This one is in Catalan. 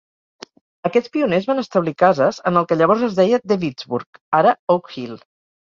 Aquests pioners van establir cases en el que llavors es deia DeWittsburg, ara Oak Hill.